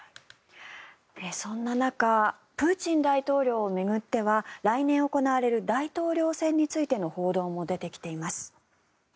そんな中プーチン大統領を巡っては来年行われる大統領選についての報道も出てきています。